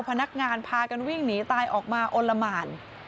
พนักงานพากันวิ่งหนีตายออกมาอลละหมาน